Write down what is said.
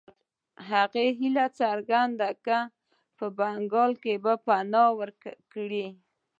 هغه هیله څرګنده کړه په بنګال کې پناه ورکړي.